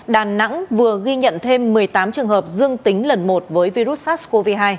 đà nẵng vừa ghi nhận thêm một mươi tám trường hợp dương tính lần một với virus sars cov hai